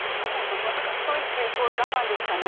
ストイックイコール我慢でしかない